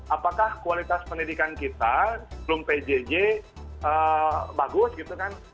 apakah kualitas pendidikan kita sebelum pjj bagus gitu kan